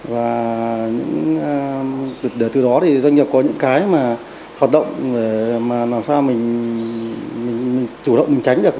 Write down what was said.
và từ đó thì doanh nghiệp có những cái hoạt động mà làm sao mình chủ động mình tránh được